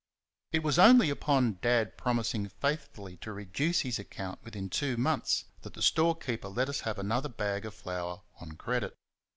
It was only upon Dad promising faithfully to reduce his account within two months that the storekeeper let us have another bag of flour on credit.